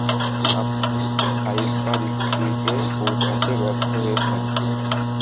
আপনি হাইপার-স্পীডে পৌঁছাতে ব্যর্থ হয়েছেন।